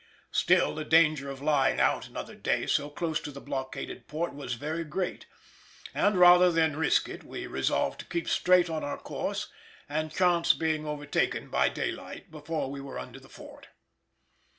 Still the danger of lying out another day so close to the blockaded port was very great, and rather than risk it we resolved to keep straight on our course and chance being overtaken by daylight before we were under the Fort.